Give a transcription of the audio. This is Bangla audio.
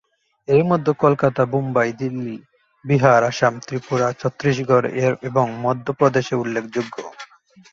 এরমধ্যে কলকাতা, মুম্বাই, দিল্লি, বিহার, আসাম, ত্রিপুরা, ছত্রিশগড় এবং মধ্য প্রদেশ উল্লেখযোগ্য।